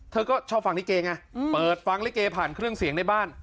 เธอก็ชอบฟังลิเกไงเปิดฟังลิเกผ่านเครื่องเสียงในบ้าน